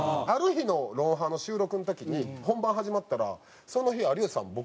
ある日の『ロンハー』の収録の時に本番始まったらその日有吉さん